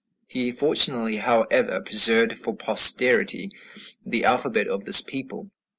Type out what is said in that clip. He fortunately, however, preserved for posterity the alphabet of this people.